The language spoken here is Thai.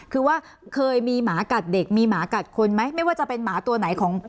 คือว่าเคยมีหมากัดเด็กมีหมากัดคนไหมไม่ว่าจะเป็นหมาตัวไหนของ